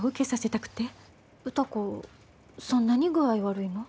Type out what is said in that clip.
そんなに具合悪いの？